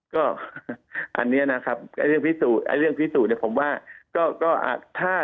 ก็อันนี้นะครับเรื่องพิสูจน์เนี่ยผมว่า